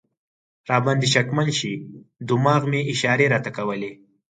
را باندې شکمن شي، دماغ مې اشارې راته کولې.